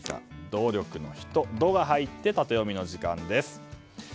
努力の人の「ド」が入ってタテヨミの時間です。